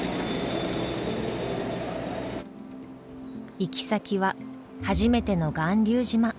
行き先は初めての巌流島。